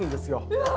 うわ！